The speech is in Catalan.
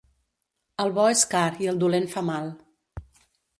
El bo és car i el dolent fa mal.